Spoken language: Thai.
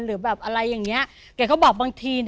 หรือแบบอะไรอย่างนี้